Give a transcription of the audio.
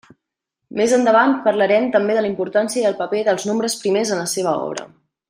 Més endavant parlarem també de la importància i el paper dels nombres primers en la seva obra.